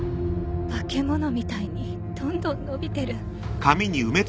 化け物みたいにどんどん伸びてる。